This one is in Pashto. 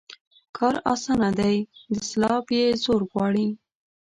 کار اسانه دى ، دسلاپ يې زور غواړي.